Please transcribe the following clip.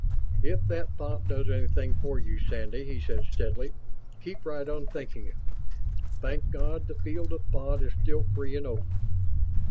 "If that thought does anything for you, Sandy," he said, steadily, "keep right on thinking it. Thank God, the field of thought is still free and open."